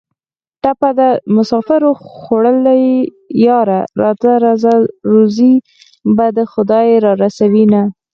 ټپه ده: مسافرو خوړلیه یاره راځه راځه روزي به خدای را رسوینه